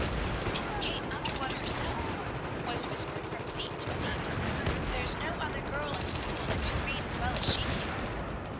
"It's Kate Underwood herself," was whispered from seat to seat. "There's no other girl in school that can read as well as she can."